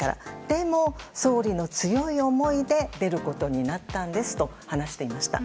でも、総理の強い思いで出ることになったんですと話していました。